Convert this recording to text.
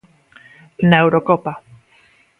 Na Eurocopa.